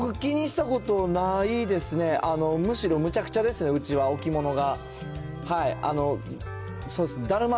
いや、僕、気にしたことないですね、むしろむちゃくちゃですね、うちは、置物が。